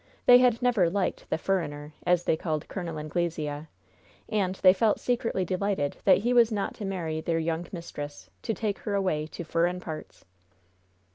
They had never liked "the furriner," as they called Col. Anglesea, and they felt secretly delighted that he was not to marry their young mistress, to take her away to "furrin" parts.